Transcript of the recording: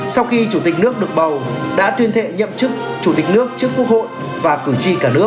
sau khi chủ tịch nước được bầu đã tuyên thệ nhậm chức chủ tịch nước trước quốc hội và cử tri cả nước